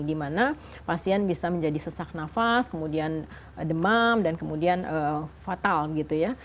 dimana pasien bisa menjadi sesak nafas kemudian demam dan kemudian fatal gitu ya